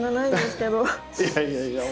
いやいやいやもう。